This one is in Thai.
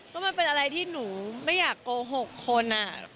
ก็มันเป็นอะไรที่หนูไม่อยากโกหกคน